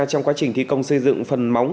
trong quá trình thi công xây dựng phần móng